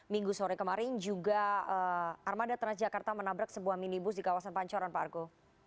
minggu sore kemarin juga armada transjakarta menabrak sebuah minibus di kawasan pancoran pak argo